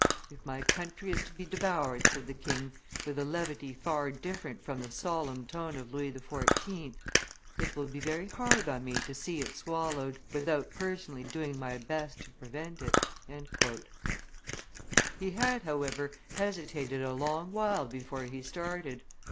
"If my country is to be devoured," said the king, with a levity far different from the solemn tone of Louis XIV., "it will be very hard on me to see it swallowed without personally doing my best to prevent it." He had, however, hesitated a long while before he started.